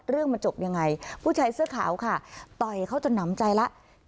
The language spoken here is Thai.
เรื่องมันจบยังไงผู้ชายเสื้อขาวค่ะต่อยเขาจนหนำใจแล้ว